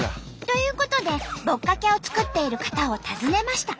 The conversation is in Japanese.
ということでぼっかけを作っている方を訪ねました。